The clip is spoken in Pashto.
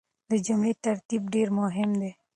د جملې ترتيب ډېر مهم دی.